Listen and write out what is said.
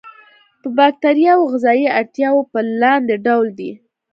د باکتریاوو غذایي اړتیاوې په لاندې ډول دي.